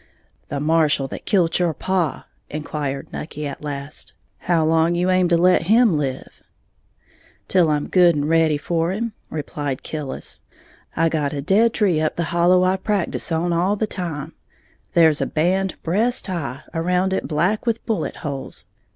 "The marshal that kilt your paw," inquired Nucky, at last, "how long you aim to let him live?" "Till I'm good and ready for him," replied Killis; "I got a dead tree up the hollow I practice on all the time, there's a band breast high around it black with bullet holes.